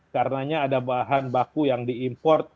karenanya ada bahan baku yang diimport